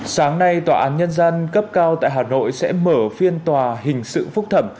sáng nay tòa án nhân dân cấp cao tại hà nội sẽ mở phiên tòa hình sự phúc thẩm